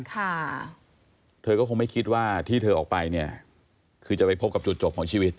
ค่ะเธอก็คงไม่คิดว่าที่เธอออกไปเนี่ยคือจะไปพบกับจุดจบของชีวิต